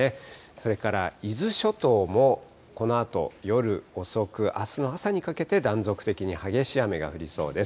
それから伊豆諸島もこのあと夜遅く、あすの朝にかけて断続的に激しい雨が降りそうです。